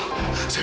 didi iji sakit